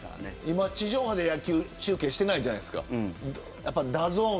今、地上波で野球中継していないじゃないですか。